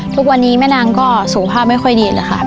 ทุกวันนี้แม่นางก็สุขภาพไม่ค่อยดีเลยค่ะ